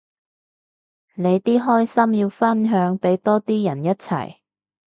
你啲開心要分享俾多啲人一齊